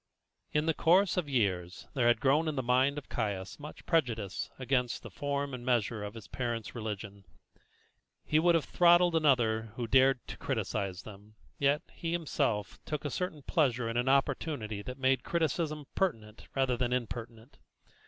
In the course of years there had grown in the mind of Caius much prejudice against the form and measure of his parents' religion. He would have throttled another who dared to criticise them, yet he himself took a certain pleasure in an opportunity that made criticism pertinent rather than impertinent.